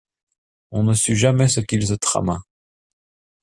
On ne sut jamais ce qu’il se trama.